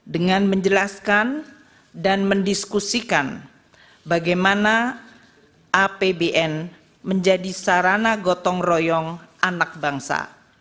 dengan menjelaskan dan mendiskusikan bagaimana apbn menjadi sarana gotong royong anak bangsa